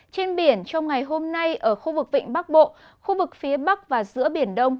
trên biển trong ngày hôm nay ở khu vực vịnh bắc bộ khu vực phía bắc và giữa biển đông